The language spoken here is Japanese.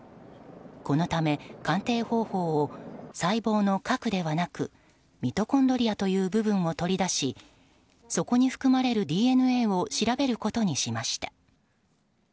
このため、鑑定方法を細胞の核ではなくミトコンドリアという部分を取り出しそこに含まれるＤＮＡを調べることにしました。